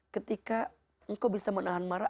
ketika engkau bisa menahan marah